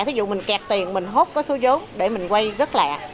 ví dụ mình kẹt tiền mình hốt cái số vốn để mình quay rất lẹ